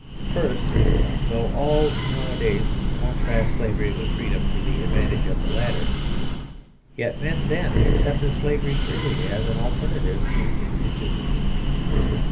First, though all nowadays contrast slavery with freedom to the advantage of the latter, yet men then accepted slavery freely as an alternative to indigence.